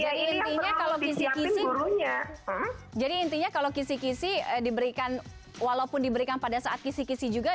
jadi intinya kalau kisi kisi jadi intinya kalau kisi kisi diberikan walaupun diberikan pada saat kisi kisi juga